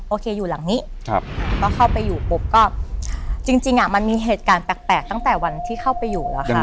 อยู่หลังนี้ก็เข้าไปอยู่ปุ๊บก็จริงอ่ะมันมีเหตุการณ์แปลกตั้งแต่วันที่เข้าไปอยู่แล้วค่ะ